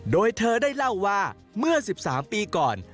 โดยเธอได้เล่าว่าเมื่อ๑๓ปีก่อน